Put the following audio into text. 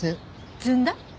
ずんだ？